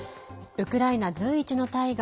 ウクライナ随一の大河